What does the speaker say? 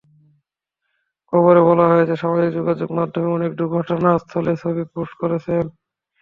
খবরে বলা হয়েছে, সামাজিক যোগাযোগ মাধ্যমে অনেকে দুর্ঘটনাস্থলের ছবি পোস্ট করেছেন।